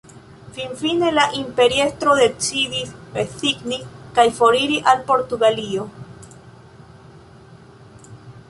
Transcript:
Finfine la imperiestro decidis rezigni kaj foriri al Portugalio.